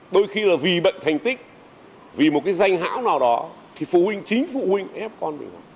đôi khi là vì bệnh thành tích vì một cái danh hão nào đó thì phụ huynh chính phụ huynh ép con đường